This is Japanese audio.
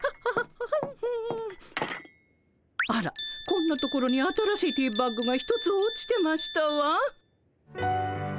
あらこんな所に新しいティーバッグが１つ落ちてましたわ。